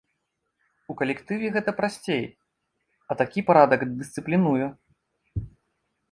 У калектыве гэта прасцей, а такі парадак дысцыплінуе.